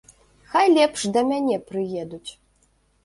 Хай лепш да мяне прыедуць!